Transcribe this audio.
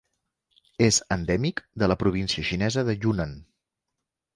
És endèmic de la província xinesa de Yunnan.